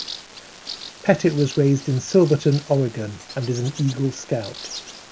Pettit was raised in Silverton, Oregon, and is an Eagle Scout.